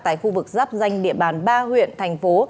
tại khu vực giáp danh địa bàn ba huyện thành phố